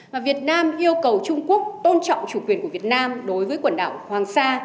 và việt nam yêu cầu trung quốc tôn trọng chủ quyền của việt nam đối với quần đảo hoàng sa